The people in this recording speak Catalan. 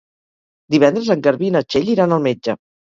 Divendres en Garbí i na Txell iran al metge.